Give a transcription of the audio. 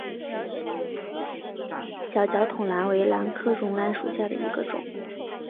小脚筒兰为兰科绒兰属下的一个种。